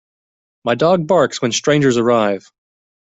My dog barks when strangers arrive.